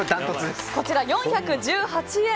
こちら４１８円。